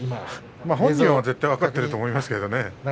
本人は絶対、分かっていると思いますからね。